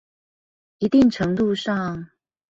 一定程度上